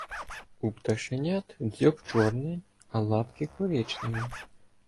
У пташенят дзьоб чорний, а лапи коричневі.